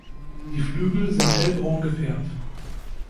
Die Flügel sind hellbraun gefärbt.